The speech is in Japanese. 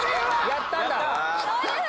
やったんだ。